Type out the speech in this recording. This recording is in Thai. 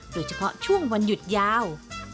โดยเฉพาะช่วงวันหยุดยาว